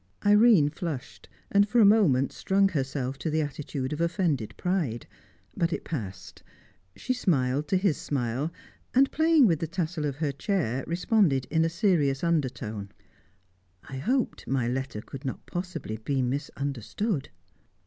Irene flushed, and for a moment strung herself to the attitude of offended pride. But it passed. She smiled to his smile, and, playing with the tassel of her chair, responded in a serious undertone. "I hoped my letter could not possibly be misunderstood."